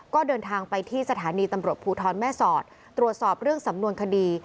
ก็เดินทางไปที่สถานีตำรวจภูทรแม่สอดตรวจสอบเรื่องสำนวนคดี